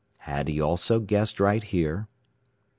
Had he also guessed right here?